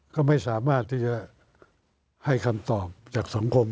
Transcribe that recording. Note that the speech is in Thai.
ก็ไม่สามารถที่จะให้คำตอบจากสังคม